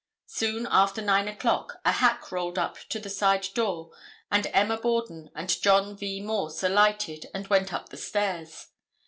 Soon after 9 o'clock, a hack rolled up to the side door and Emma Borden and John V. Morse alighted and went up the stairs.